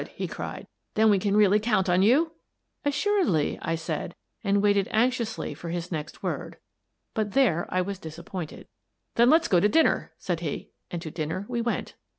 " he cried. " Then we can really count on you? "" Assuredly," said I, and waited anxiously for his next word. But there I was disappointed. The Woman in the Case 185 " Then let's go to dinner," said he — and to din ner we went.